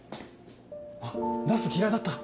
あっナス嫌いだった？